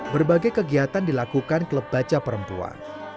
berbagai kegiatan dilakukan klub baca perempuan